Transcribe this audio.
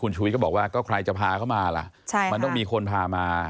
ชุวิตก็บอกว่าก็ใครจะพาเขามาล่ะมันต้องมีคนพามา